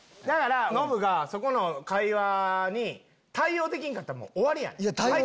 だからノブがそこの会話に対応できんかったら終わりやん。